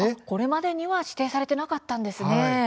これまでには指定されていなかったんですね。